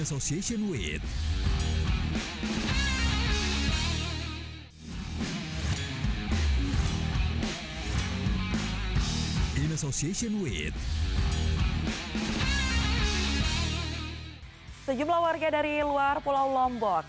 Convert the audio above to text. sejumlah warga dari luar pulau lombok